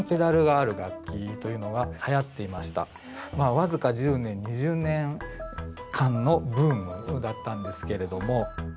この当時はこのように僅か１０年２０年間のブームだったんですけれども。